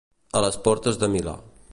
A les portes de Milà.